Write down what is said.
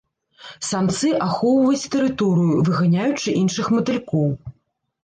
Самцы ахоўваюць тэрыторыю, выганяючы іншых матылькоў.